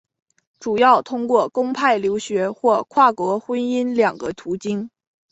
主要通过公派留学或跨国婚姻两个途径。